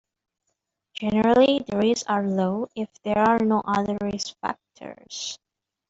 Generally the risks are low if there are no other risk factors.